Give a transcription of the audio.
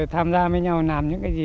tham gia với nhau làm những cái gì